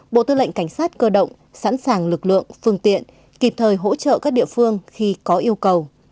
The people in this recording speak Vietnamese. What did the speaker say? bộ tư lệnh cảnh sát cơ động sẵn sàng lực lượng phương tiện kịp thời hỗ trợ các địa phương khi có yêu cầu